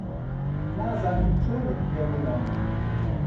نازانم چۆنت پێ بڵێم